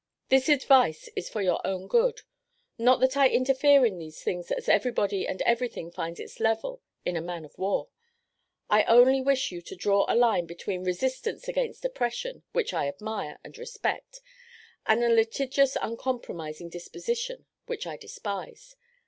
This advice is for your own good; not that I interfere in these things, as everybody and everything finds its level in a man of war; I only wish you to draw a line between resistance against oppression, which I admire and respect, and a litigious, uncompromising disposition, which I despise.